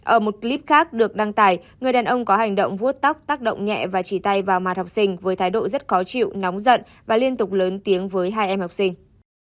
ở một clip khác được đăng tải người đàn ông có hành động vuốt tóc tác động nhẹ và chỉ tay vào màn học sinh với thái độ rất khó chịu nóng giận và liên tục lớn tiếng với hai em học sinh